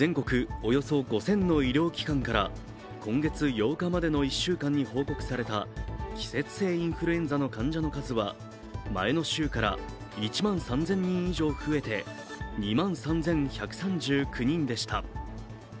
およそ５０００の医療機関から今月８日までの１週間に報告された季節性インフルエンザの患者の数は前の週から１万３０００人以上増えて２万３１３９人でした。